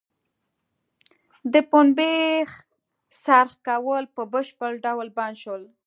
د پنبې څرخ کول په بشپړه ډول بند شو.